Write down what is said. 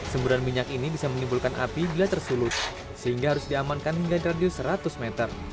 semburan minyak ini bisa menimbulkan api bila tersulut sehingga harus diamankan hingga radius seratus meter